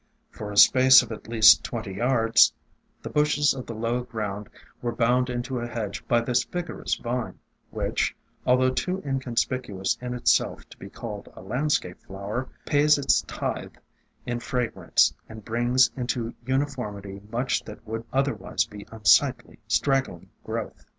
For a space of at least twenty yards, the bushes of the low ground were bound into a hedge by this vigorous vine, which, although too inconspicuous in itself to be called a landscape flower, pays its tithe in fra grance, and brings into uniformity much that would otherwise be unsightly, straggling growth.